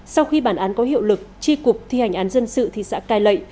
sau khi bản án có hiệu lực tri cục thi hành án dân sự thị xã cai lệ